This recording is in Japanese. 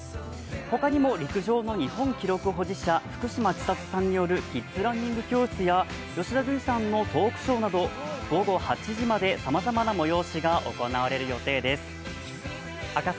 ほかにも陸上の日本記録保持者・福島千里さんによるキッズランニング教室や吉田類さんのトークショーなど午後８時までさまざまな催しが行われる予定です。